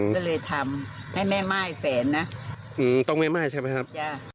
ก็เลยทำให้แม่ม่ายแสนนะต้องแม่ม่ายใช่ไหมครับจ้ะ